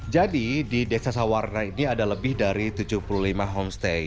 jadi di desa sawarna ini ada lebih dari tujuh puluh lima homestay